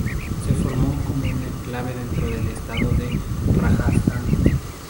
Se formó como un enclave dentro del estado de Rajastán.